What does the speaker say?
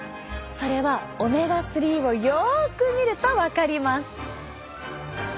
それはオメガ３をよく見ると分かります。